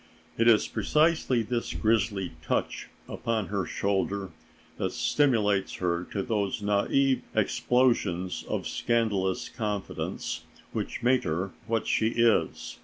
It is precisely this grisly touch upon her shoulder that stimulates her to those naïve explosions of scandalous confidence which make her what she is.